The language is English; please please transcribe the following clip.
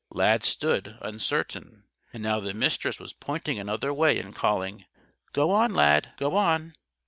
Lad stood, uncertain. And now the Mistress was pointing another way and calling: "Go on! Lad! Go on!"